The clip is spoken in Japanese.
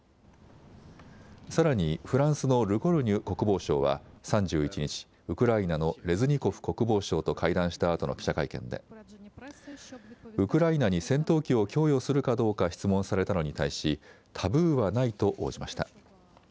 さらにフランスのルコルニュ国防相は３１日、ウクライナのレズニコフ国防相と会談したあとの記者会見で、ウクライナに戦闘機を供与するかどうか質問されたのに対し、タブーはないと応じました。